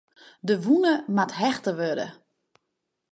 De wûne moat hechte wurde.